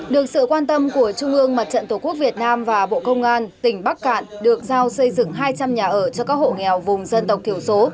được sự quan tâm của trung ương mặt trận tổ quốc việt nam và bộ công an tỉnh bắc cạn được giao xây dựng hai trăm linh nhà ở cho các hộ nghèo vùng dân tộc thiểu số